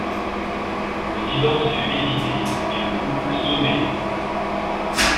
Le divorce fut évité et le couple sauvé.